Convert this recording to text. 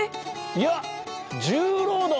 いや重労働！